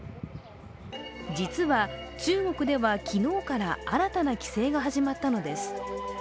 実は、中国では昨日から新たな規制が始まったのです。